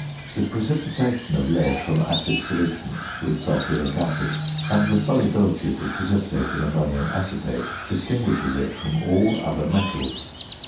The precipitation of lead from acid solutions with sulphuric acid, and the solubility of the precipitate in ammonium acetate, distinguishes it from all other metals.